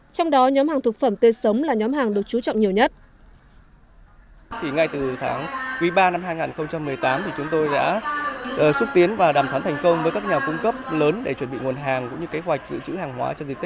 trong đó nhóm hàng thực phẩm tươi sống là nhóm hàng được chú trọng nhiều nhất